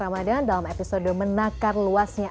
ramadan dalam episode menakar luasnya